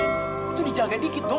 itu dijaga dikit dong